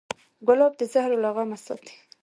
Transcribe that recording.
ګلاب د زهرو له غمه ساتي.